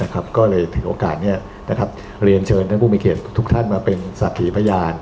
ก็เลยถือโอกาสเรียนเชิญท่านผู้มีเกียรติทุกท่านมาเป็นศักดิ์ขีพยาน